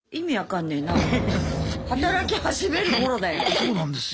そうなんですよ。